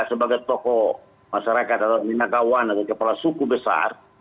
sebagai toko masyarakat atau minat kawan atau kepala suku besar